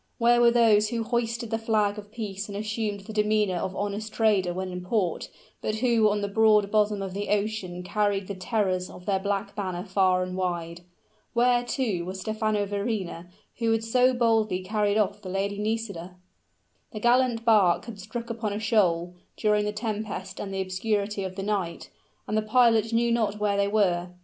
where were those who hoisted the flag of peace and assumed the demeanor of honest trader when in port, but who on the broad bosom of the ocean carried the terrors of their black banner far and wide? where, too, was Stephano Verrina, who had so boldly carried off the Lady Nisida? The gallant bark had struck upon a shoal, during the tempest and the obscurity of the night, and the pilot knew not where they were.